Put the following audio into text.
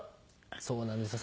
そうなんですよ。